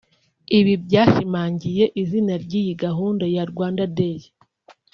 Ibi byashimangiye izina ry’iyi gahunda ya Rwanda Day